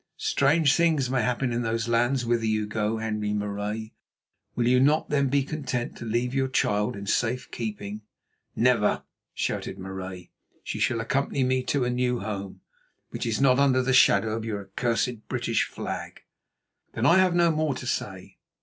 Strange things may happen in those lands whither you go, Henri Marais. Will you not, then, be content to leave your child in safe keeping?" "Never!" shouted Marais. "She shall accompany me to a new home, which is not under the shadow of your accursed British flag." "Then I have no more to say.